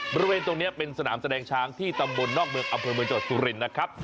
บริเวณตรงนี้เป็นสนามแสดงช้างที่ตำบลนอกเมืองอำเภอเมืองจังหวัดสุรินทร์นะครับ